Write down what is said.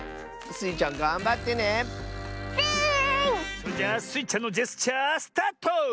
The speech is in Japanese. それじゃあスイちゃんのジェスチャースタート！